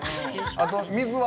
あと水は？